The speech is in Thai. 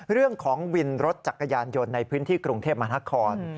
เรื่องของวินรถจักรยานยนต์ในพื้นที่กรุงเทพมหานคร